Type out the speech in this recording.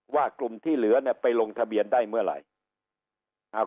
ว่ากลุ่มที่เหลือเนี่ยไปลงทะเบียนได้เมื่อไหร่